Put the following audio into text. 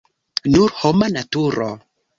Nur homa naturo.